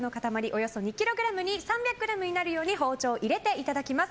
およそ２ｋｇに３００ｇになるように包丁を入れていただきます。